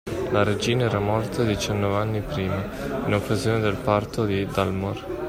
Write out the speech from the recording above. La regina era morta diciannove anni prima, in occasione del parto di Dalmor.